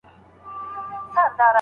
ماهر به له ډېر وخته ساعت ته کتلي وي.